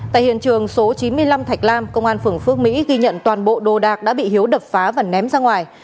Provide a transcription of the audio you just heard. tại hiện trường số chín mươi năm thạch lam công an phường phước mỹ ghi nhận toàn bộ đồ đạc đã bị hiếu đập phá và ném ra ngoài